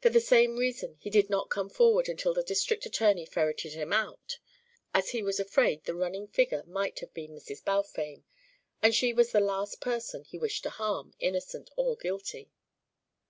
For the same reason he did not come forward until the District Attorney ferreted him out, as he was afraid the running figure might have been Mrs. Balfame and she was the last person he wished to harm, innocent or guilty.